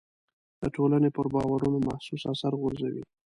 د ټولنې پر باورونو محسوس اثر غورځوي.